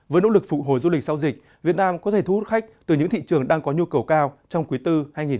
với nỗ lực phụ hồi du lịch sau dịch việt nam có thể thu hút khách từ những thị trường đang có nhu cầu cao trong quý bốn hai nghìn hai mươi